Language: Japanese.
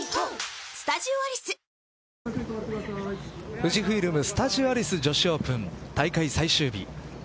富士フイルム・スタジオアリス女子オープン大会最終日。